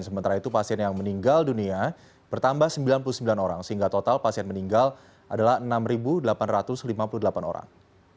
sementara itu pasien yang meninggal dunia bertambah sembilan puluh sembilan orang sehingga total pasien meninggal adalah enam delapan ratus lima puluh delapan orang